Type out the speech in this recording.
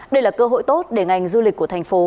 đây là cơ hội tốt để ngành du lịch của thành phố